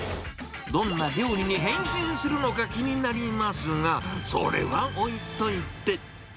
どんな料理に変身するのか気になりますが、それは置いといて。